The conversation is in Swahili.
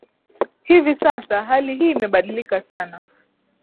Hivi sasa hali hii imebadilika sana